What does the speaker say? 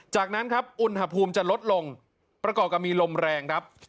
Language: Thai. จากนั้นครับอุณหภูมิจะลดลงประกอบกับมีลมแรงครับ